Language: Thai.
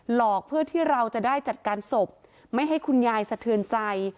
หลอกเพื่อที่เราจะได้จัดการศพไม่ให้คุณยายสะเทือนใจ